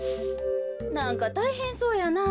なんかたいへんそうやなあ。